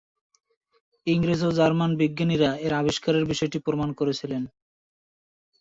ইংরেজ ও জার্মান বিজ্ঞানীরা এর আবিষ্কারের বিষয়টি প্রমাণ করেছিলেন।